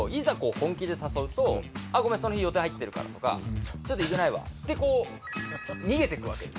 本気で誘うと「ごめんその日予定入ってるから」とか「ちょっと行けないわ」って逃げてくわけですよ。